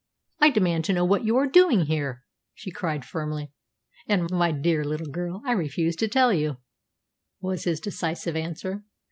"I demand to know what you are doing here!" she cried firmly. "And, my dear little girl, I refuse to tell you," was his decisive answer.